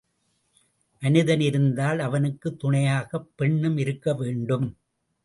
மனிதன் இருந்தால் அவனுக்குத் துணையாகப் பெண்ணும் இருக்க வேண்டும்.